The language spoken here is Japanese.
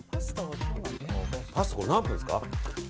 パスタ何分ですか？